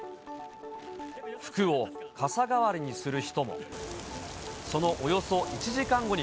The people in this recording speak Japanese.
服を傘代わりにする人も。